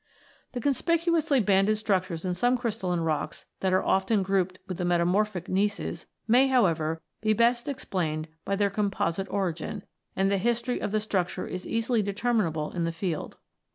The conspicuously banded structures in some crystalline rocks that are often grouped with the metamorphic gneisses may, however, be best explained by their composite origin, and the history of the structure is easily determinable in the field.